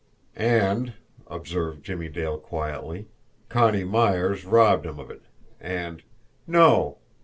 "And," observed Jimmie Dale quietly. "Connie Myers robbed him of it, and " "No!"